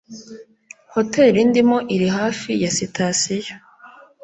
Hoteri ndimo iri hafi ya sitasiyo.